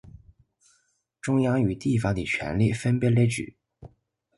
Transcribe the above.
中央與地方的權力分別列舉